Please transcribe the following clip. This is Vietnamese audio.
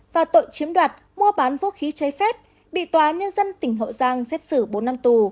và tội chiếm đoạt mua bán vũ khí cháy phép bị tòa nhân dân tỉnh hậu giang xét xử bốn năm tù